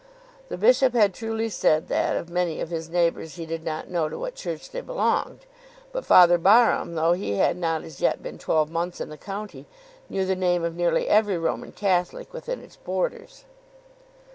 The bishop had truly said that of many of his neighbours he did not know to what Church they belonged; but Father Barham, though he had not as yet been twelve months in the county, knew the name of nearly every Roman Catholic within its borders.